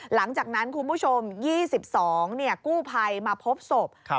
หลังจากนั้นคุณผู้ชม๒๒กู้ภัยมาพบศพ